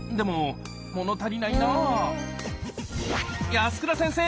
安倉先生！